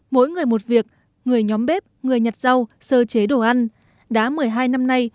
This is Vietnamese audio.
mỗi người một việc người nhóm bếp người nhặt rau sơ chế đồ ăn đã một mươi hai năm nay